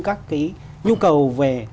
các cái nhu cầu về